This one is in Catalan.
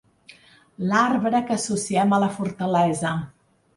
L'arbre que associem a la fortalesa.